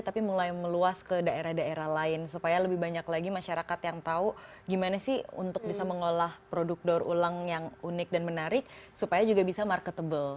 tapi mulai meluas ke daerah daerah lain supaya lebih banyak lagi masyarakat yang tahu gimana sih untuk bisa mengolah produk daur ulang yang unik dan menarik supaya juga bisa marketable